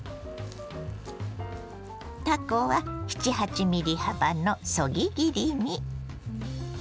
たこは７８ｍｍ幅のそぎ切りに。